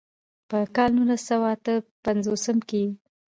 پۀ کال نولس سوه اتۀ پنځوستم کښې ئې